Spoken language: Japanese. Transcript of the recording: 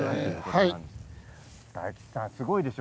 大吉さん、すごいでしょ？